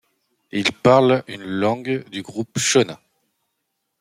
Ils parlent une langue du groupe shona.